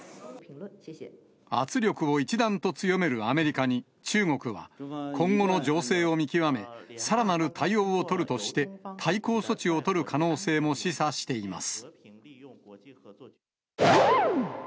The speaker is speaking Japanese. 圧力を一段と強めるアメリカに、中国は、今後の情勢を見極め、さらなる対応を取るとして、対抗措置を取る可能性も示唆しています。